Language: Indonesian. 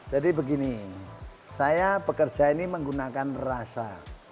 jadi begini saya pekerja ini menggunakan rasa